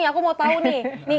aku mau tau nih